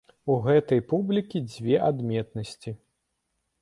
У гэтай публікі дзве адметнасці.